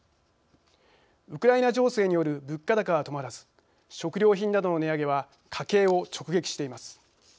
ウクライナ情勢による物価高は止まらず食料品などの値上げは家計を直撃しています。